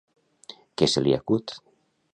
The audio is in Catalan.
Què se li acut?